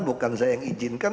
bukan saya yang izinkan